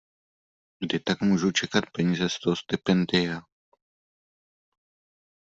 Kdy tak můžu čekat peníze z toho stipendia?